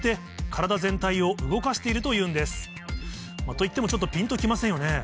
といってもちょっとピンと来ませんよね